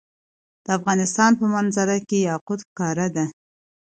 د افغانستان په منظره کې یاقوت ښکاره ده.